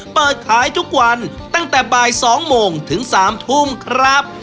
เปิดขายทุกวันตั้งแต่บ่าย๒โมงถึง๓ทุ่มครับ